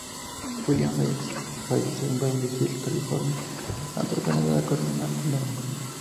William falleció en Beverly Hills, California, a temprana edad a causa de una neumonía.